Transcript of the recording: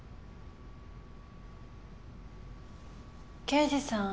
刑事さん